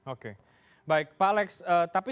oke baik pak alex tapi